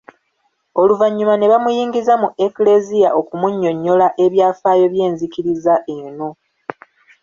Oluvannyuma ne bamuyingiza mu Eklesia okumunnyonnyola ebyafaayo by’enzikiriza eno.